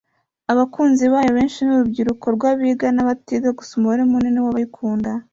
abakunzi bayo abenshi ni urubyiruko rw’abiga n’abatiga gusa umubare munini w’abayikunda